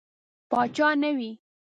پاچا نه وي.